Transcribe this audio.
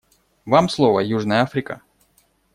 Вам слово, Южная Африка.